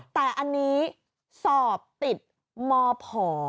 แต่อันนี้สอบติดมผ